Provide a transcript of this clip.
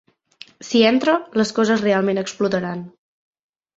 Si entra, les coses realment explotaran.